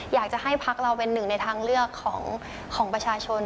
อยากจะให้พักเราเป็นหนึ่งในทางเลือกของประชาชน